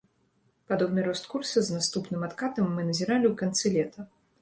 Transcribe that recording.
Падобны рост курса з наступным адкатам мы назіралі ў канцы лета.